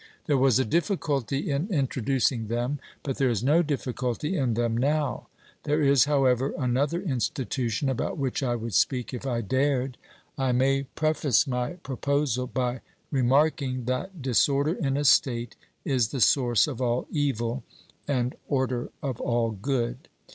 There was a difficulty in introducing them, but there is no difficulty in them now. There is, however, another institution about which I would speak, if I dared. I may preface my proposal by remarking that disorder in a state is the source of all evil, and order of all good.